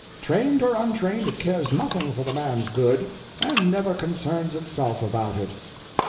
Trained or untrained, it cares nothing for the man's good, and never concerns itself about it.